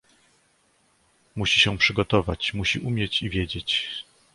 "Musi się przygotować, musi umieć i wiedzieć."